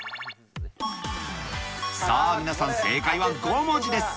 さあ皆さん、正解は５文字です。